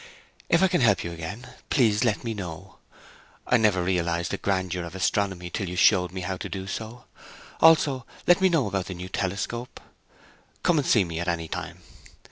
If I can help you again, please let me know. I never realized the grandeur of astronomy till you showed me how to do so. Also let me know about the new telescope. Come and see me at any time.